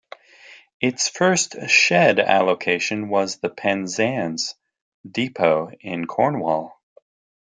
Its first shed allocation was the Penzance depot in Cornwall.